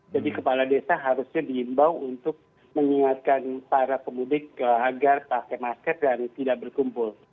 jadi kepala desa harusnya diimbau untuk mengingatkan para pemudik agar pakai masker dan tidak berkumpul